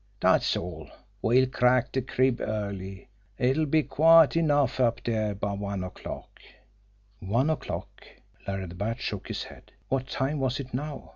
Dat's all! We'll crack de crib early it'll be quiet enough up dere by one o'clock." One o'clock! Larry the Bat shook his head. What time was it now?